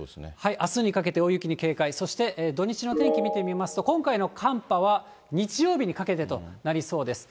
あすにかけて大雪に警戒、そして土日の天気、見てみますと、今回の寒波は日曜日にかけてとなりそうです。